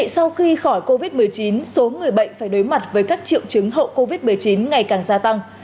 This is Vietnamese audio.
sau khi khỏi covid một mươi chín số người bệnh phải đối mặt với các triệu chứng hậu covid một mươi chín ngày càng gia tăng